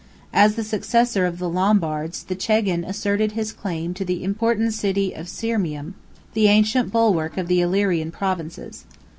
As the successor of the Lombards, the chagan asserted his claim to the important city of Sirmium, the ancient bulwark of the Illyrian provinces.